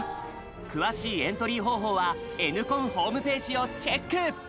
詳しいエントリー方法は「Ｎコン」ホームページをチェック。